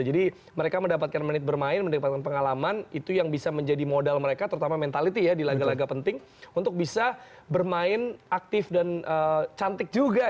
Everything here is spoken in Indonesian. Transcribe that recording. jadi mereka mendapatkan menit bermain mendapatkan pengalaman itu yang bisa menjadi modal mereka terutama mentality ya di laga laga penting untuk bisa bermain aktif dan cantik juga gitu